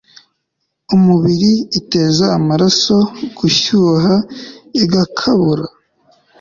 umubiri iteza amaraso gushyuha igakabura